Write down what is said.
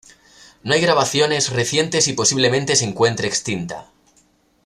No hay grabaciones recientes y posiblemente se encuentre extinta.